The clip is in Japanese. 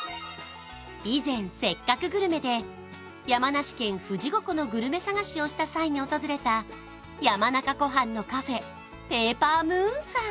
以前「せっかくグルメ！！」で山梨県富士五湖のグルメ探しをした際に訪れた山中湖畔のカフェＰＡＰＥＲＭＯＯＮさん